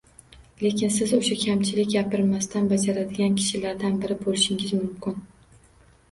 Lekin siz o’sha kamchilik gapirmasdan bajaradigan kishilardan biri bo’lishingiz mumkin